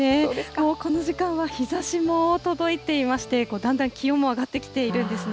もうこの時間は日ざしも届いていまして、だんだん気温も上がってきているんですね。